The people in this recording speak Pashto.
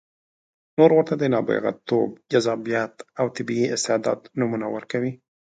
نور ورته د نابغتوب، جذابیت او طبیعي استعداد نومونه ورکوي.